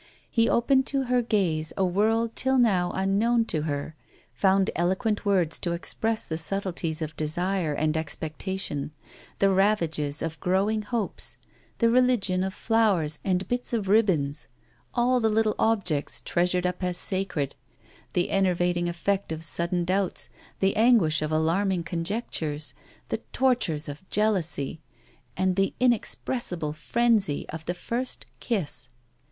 He opened to her gaze a world till now unknown to her, found eloquent words to express the subtleties of desire and expectation, the ravages of growing hopes, the religion of flowers and bits of ribbons, all the little objects treasured up as sacred, the enervating effect of sudden doubts, the anguish of alarming conjectures, the tortures of jealousy, and the inexpressible frenzy of the first kiss.